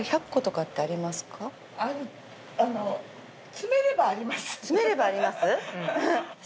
詰めればあります？